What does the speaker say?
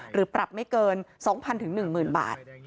หรือปรับไม่เกิน๒๐๐๑๐๐๐บาท